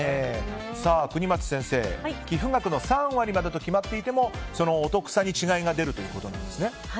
國松先生、寄付額の３割と決まっていても、そのお得さに違いが出るということなんですね。